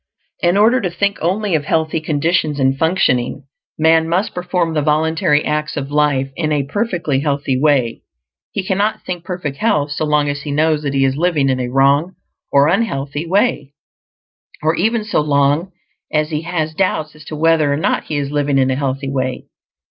In order to think only of healthy conditions and functioning, man must perform the voluntary acts of life in a perfectly healthy way. He cannot think perfect health so long as he knows that he is living in a wrong or unhealthy way; or even so long as he has doubts as to whether or not he is living in a healthy way.